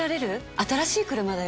新しい車だよ。